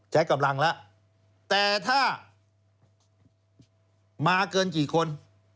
ใช้กำลังแล้วแต่ถ้ามาเกินกี่คน